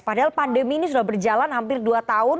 padahal pandemi ini sudah berjalan hampir dua tahun